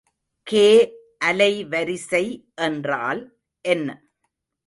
K அலைவரிசை என்றால் என்ன?